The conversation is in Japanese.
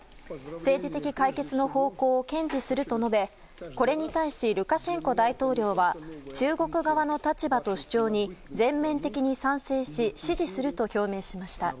政治的解決の方向を堅持すると述べこれに対しルカシェンコ大統領は中国側の立場と主張に全面的に賛成し支持すると表明しました。